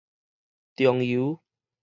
仲由